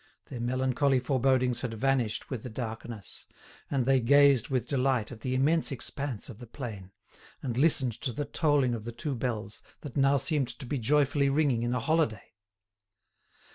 Their melancholy forebodings had vanished with the darkness, and they gazed with delight at the immense expanse of the plain, and listened to the tolling of the two bells that now seemed to be joyfully ringing in a holiday.